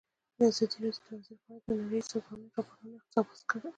ازادي راډیو د ورزش په اړه د نړیوالو سازمانونو راپورونه اقتباس کړي.